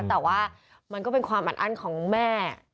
แต่ว่ามันก็เป็นความอัดอั้นของแม่